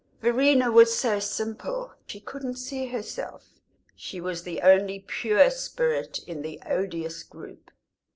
Verena was so simple, she couldn't see herself; she was the only pure spirit in the odious group.